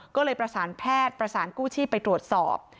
ก็เลยประสานแพทย์ประสานกู้ชีพไปตรวจสอบ